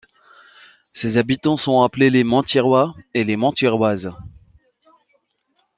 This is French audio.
Ses habitants sont appelés les Montièrois et les Montièroises.